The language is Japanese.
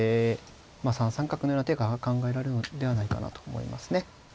３三角のような手が考えられるのではないかなと思いますね。